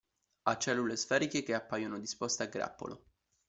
Ha cellule sferiche che appaiono disposte a grappolo.